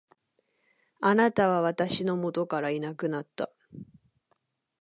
貴方は私の元からいなくなった。